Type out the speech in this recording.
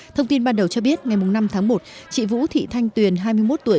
thông tin ban đầu cho biết ngày năm tháng một chị vũ thị thanh tuyền hai mươi một tuổi